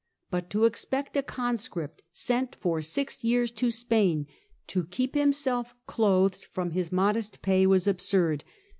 But to expect a conscript sent for six years to Spain to keep himself clothed from his modest pay was absurd.